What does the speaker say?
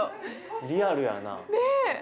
リアルやな。